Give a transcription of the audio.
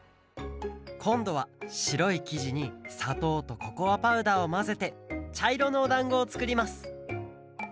こんどはしろいきじにさとうとココアパウダーをまぜてちゃいろのおだんごをつくります。